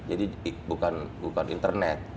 jadi bukan internet